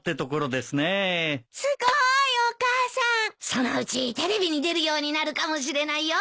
そのうちテレビに出るようになるかもしれないよ。